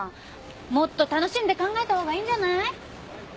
もっと楽しんで考えた方がいいんじゃない？